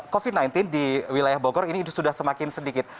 covid sembilan belas di wilayah bogor ini sudah semakin sedikit